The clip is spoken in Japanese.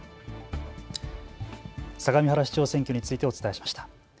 相模原市長選挙についてお伝えしました。